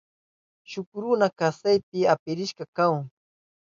Shuk runa karselpi apirishka kahun.